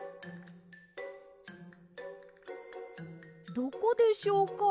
どこでしょうか？